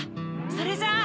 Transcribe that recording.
それじゃあ！